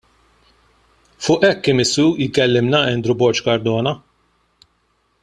Fuq hekk imissu jkellimna Andrew Borg Cardona!